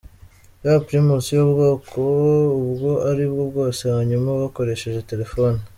ya Primus y’ubwoko ubwo ari bwo bwose hanyuma bakoresheje telefoni.